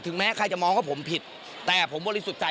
แม้ใครจะมองว่าผมผิดแต่ผมบริสุทธิ์ใจ